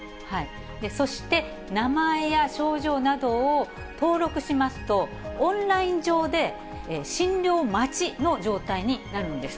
そして、名前や症状などを登録しますと、オンライン上で診療待ちの状態になるんです。